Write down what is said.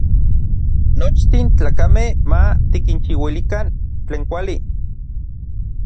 Nochtin tlakamej ma tikinchiuilikan tlen kuali.